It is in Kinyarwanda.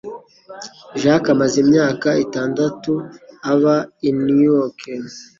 Jack amaze imyaka itandatu aba i New York.